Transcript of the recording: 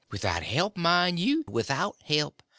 Without help, mind you—'thout _help!